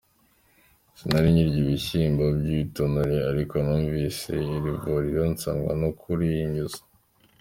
Sinari nkirya ibishyimbo by’ibitonore ariko numvise iri vuriro, nzanwa no kurihinyuza.